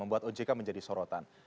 membuat ojk menjadi sorotan